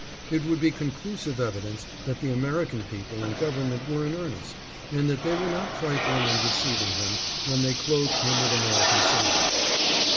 It would be conclusive evidence that the American people and Gov ernment were in earnest, and that they were not trifling and deceiving him when they clothed him with Ameri can citizenship.